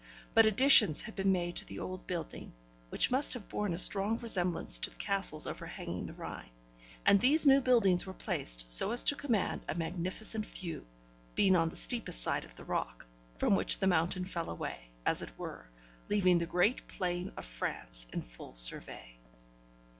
But additions had been made to the old building (which must have borne a strong resemblance to the castles overhanging the Rhine), and these new buildings were placed so as to command a magnificent view, being on the steepest side of the rock, from which the mountain fell away, as it were, leaving the great plain of France in full survey.